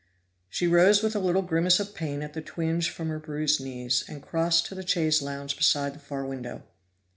She rose with a little grimace of pain at the twinge from her bruised knees, and crossed to the chaise lounge beside the far window.